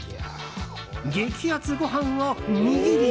激アツご飯を握り。